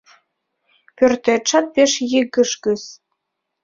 Пӧртетшат пеш йыгыжгыс...